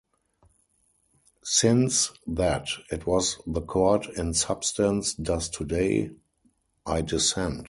Since that is what the Court in substance does today, I dissent.